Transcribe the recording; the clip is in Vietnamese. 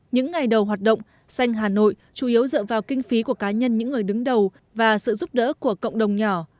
những ngày đầu hoạt động xanh hà nội chủ yếu dựa vào kinh phí của cá nhân những người đứng đầu và sự giúp đỡ của cộng đồng nhỏ